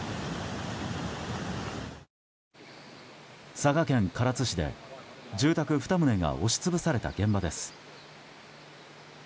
佐賀県唐津市で住宅２棟が押し潰された現場です。